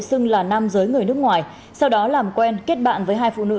xưng là nam giới người nước ngoài sau đó làm quen kết bạn với hai phụ nữ